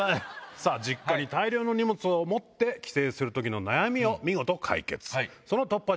さあ、実家に大量の荷物を持って帰省するときの悩みを見事解決。